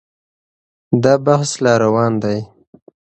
دا بحث لا روان دی.